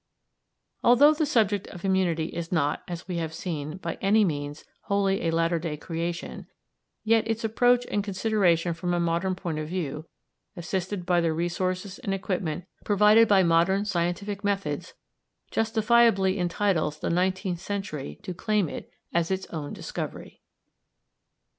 Although the subject of immunity is not, as we have seen, by any means wholly a latter day creation, yet its approach and consideration from a modern point of view, assisted by the resources and equipment provided by modern scientific methods, justifiably entitles the nineteenth century to claim it as its own discovery.